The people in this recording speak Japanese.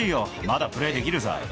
まだプレーできるさ。